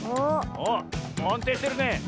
あっあんていしてるね。